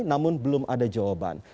namun belum ada jawaban